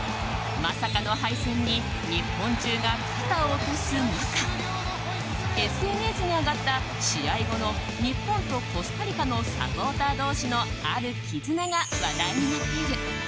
まさかの敗戦に日本中が肩を落とす中ＳＮＳに上がった試合後の日本とコスタリカのサポーター同士のある絆が話題になっている。